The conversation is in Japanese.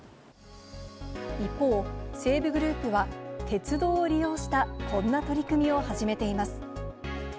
一方、西武グループは鉄道を利用したこんな取り組みを始めています。